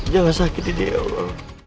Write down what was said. jangan sakiti dia